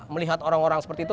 melihat orang orang seperti itu